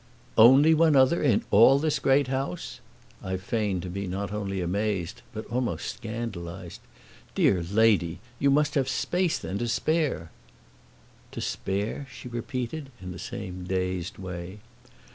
"Only one other, in all this great house!" I feigned to be not only amazed but almost scandalized. "Dear lady, you must have space then to spare!" "To spare?" she repeated, in the same dazed way.